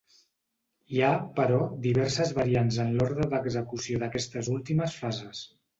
Hi ha, però, diverses variants en l'ordre d'execució d'aquestes últimes fases.